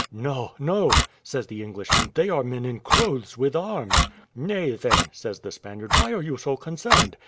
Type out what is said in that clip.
"No, no," says the Englishman, "they are men in clothes, with arms." "Nay, then," says the Spaniard, "why are you so concerned!